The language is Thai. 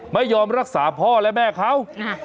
ไม่ยอมรักษาพ่อและแม่เขา